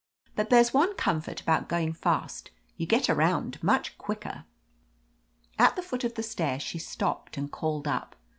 But there's one comfort about going fast: you get around much quicker." At the foot of the stairs she stopped and called up.